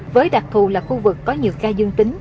với đặc thù là khu vực có nhiều ca dương tính